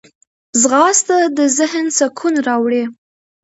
ځغاسته د ذهن سکون راوړي